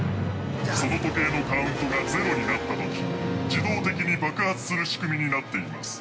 その時計のカウントがゼロになったとき自動的に爆発する仕組みになっています。